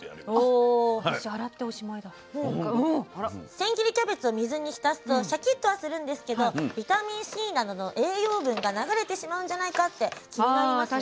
千切りキャベツを水に浸すとシャキッとはするんですけどビタミンＣなどの栄養分が流れてしまうんじゃないかって気になりますよね。